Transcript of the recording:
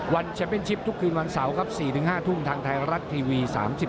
แชมเป็นชิปทุกคืนวันเสาร์ครับ๔๕ทุ่มทางไทยรัฐทีวี๓๒